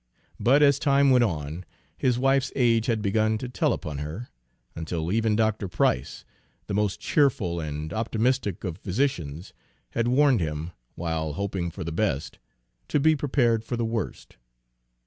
But as time went on, his wife's age had begun to tell upon her, until even Dr. Price, the most cheerful and optimistic of physicians, had warned him, while hoping for the best, to be prepared for the worst.